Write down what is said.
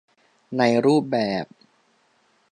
ในรูปแบบ